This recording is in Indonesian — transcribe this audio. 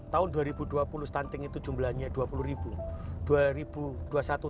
tahun dua ribu dua puluh stunting itu jumlahnya dua puluh ribu